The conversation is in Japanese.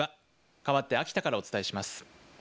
かわって秋田からお伝えします。